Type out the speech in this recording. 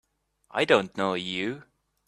I don't know you!